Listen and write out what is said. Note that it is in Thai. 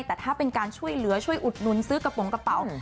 แต่ถ้าเป็นการช่วยเหลือช่วยอุดหนุนซื้อกระโปรงกระเป๋า